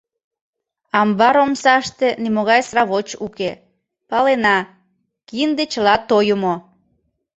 Амбар омсаште нимогай сравоч уке, палена: кинде чыла тойымо.